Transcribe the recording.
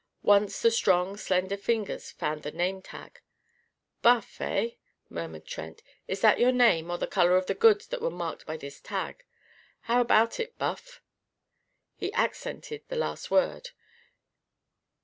Once the strong slender fingers found the name tag. "'Buff,' hey?" murmured Trent. "Is that your name or the colour of the goods that were marked by this tag? How about it, Buff?" He accented the last word.